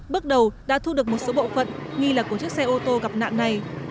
bước đầu đã thu được một số bộ phận nghi là của chiếc xe ô tô gặp nạn này